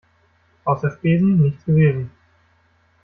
Außer Spesen nichts gewesen.